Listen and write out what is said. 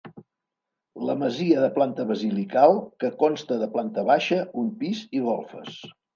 La masia de planta basilical que consta de planta baixa, un pis i golfes.